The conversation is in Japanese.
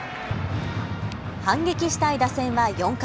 反撃したい打線は４回。